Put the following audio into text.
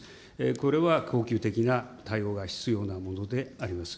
これは恒久的な対応が必要なものであります。